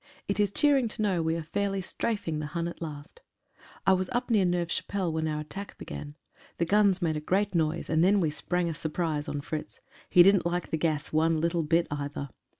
It is cheering to know we are fairly strafing the Hun at last. I was up near Neuve Cha pelle when our attack began. The guns made a great noise, and then we sprang a surprise on Fritz. He didn't like the gas one little bit either.